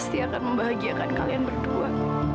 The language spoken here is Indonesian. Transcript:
pasti akan membahagiakan kalian berdua